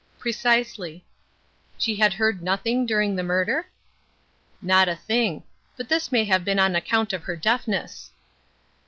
"Precisely." "She had heard nothing during the murder?" "Not a thing. But this may have been on account of her deafness."